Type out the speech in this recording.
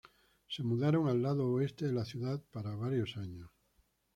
Se mudaron al lado oeste de la ciudad para varios años.